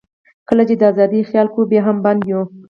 کله چې د آزادۍ خیال کوو، بیا هم بند یو.